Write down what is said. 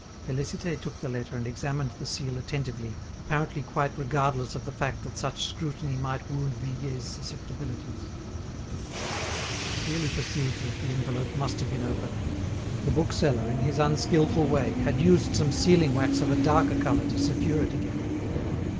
Félicité took the letter and examined the seal attentively, apparently quite regardless of the fact that such scrutiny might wound Vuillet's susceptibilities. She clearly perceived that the envelope must have been opened; the bookseller, in his unskilful way, had used some sealing wax of a darker colour to secure it again.